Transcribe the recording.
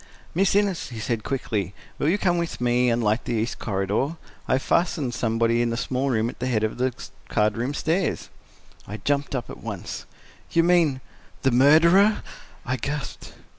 "Miss Innes," he said quickly, "will you come with me and light the east corridor? I have fastened somebody in the small room at the head of the card room stairs." I jumped! up at once. "You mean—the murderer?" I gasped.